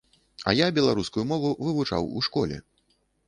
А я беларускую мову вывучаў у школе.